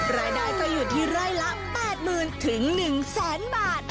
รายได้ก็อยู่ที่ร่อยละ๘๐๐๐๐ถึง๑๐๐๐๐๐บาท